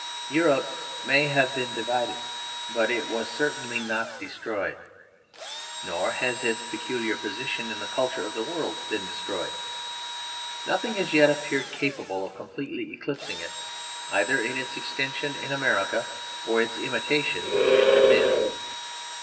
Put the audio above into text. Europe may have been divided, but it was certainly not destroyed; nor has its peculiar position in the culture of the world been destroyed. Nothing has yet appeared capable of completely eclipsing it, either in its extension in America or its imitation in Japan.